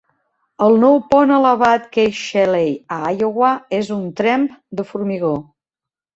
El nou pont elevat Kate Shelley, a Iowa, és un tremp de formigó.